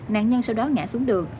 nạn nhân sau đó ngã xuống đường